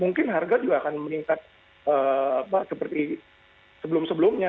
mungkin harga juga akan meningkat seperti sebelum sebelumnya